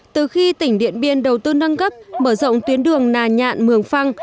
từ khi tỉnh điện biên đầu tư nâng cấp mở rộng tuyến đường nà nhạn mường phăng